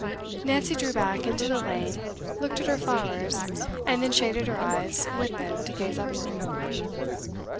Nancy drew back into the lane, looked at her flowers, and then shaded her eyes with them to gaze upward.